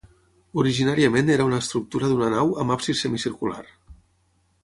Originàriament era una estructura d'una nau amb absis semicircular.